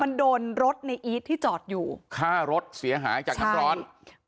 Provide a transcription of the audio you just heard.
มันโดนรถในอีทที่จอดอยู่ค่ารถเสียหายจากน้ำร้อน